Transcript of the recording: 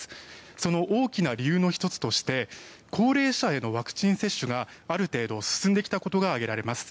その大きな理由の１つとして高齢者へのワクチン接種がある程度進んできたことが挙げられます。